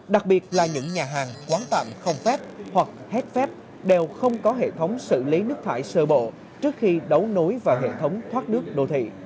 đặc biệt là những nhà hàng quán tạm không phép hoặc hết phép đều không có hệ thống xử lý nước thải sơ bộ trước khi đấu nối vào hệ thống thoát nước đô thị